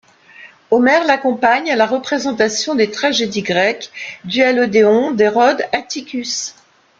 Homer l'accompagne à la représentation des tragédies grecques du à l'Odéon d'Hérode Atticus.